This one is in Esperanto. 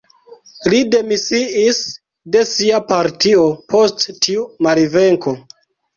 Li demisiis de sia partio, post tiu malvenko.